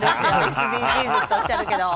ＳＤＧｓとおっしゃるけど。